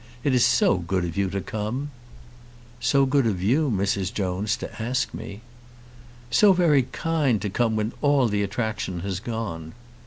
It is so good of you to come!" "So good of you, Mrs. Jones, to ask me." "So very kind to come when all the attraction has gone!"